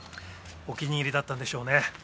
お気に入りだったんでしょうね